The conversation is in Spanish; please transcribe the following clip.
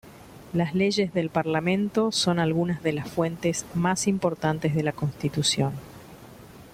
Las leyes del Parlamento son algunas de las fuentes más importantes de la Constitución.